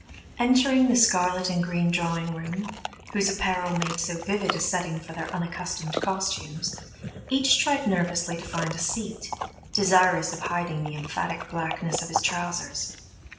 Entering the scarlet and green drawing room, whose apparel made so vivid a setting for their unaccustomed costumes, each tried nervously to find a seat, desirous of hiding the emphatic blackness of his trousers.